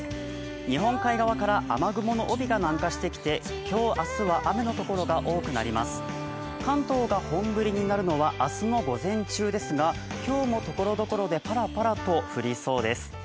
日本海側から雨雲の帯が南下してきて、今日、明日は雨の所が多くなります関東が本降りになるのは明日の午前中ですが今日もところどころでパラパラと降りそうです。